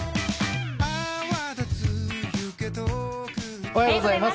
おはようございます。